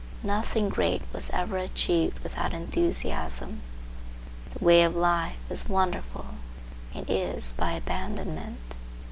Nothing great was ever achieved without enthusiasm. The way of life is wonderful; it is by abandonment.